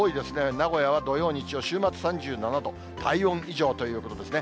名古屋は土曜、日曜、週末３７度、体温以上ということですね。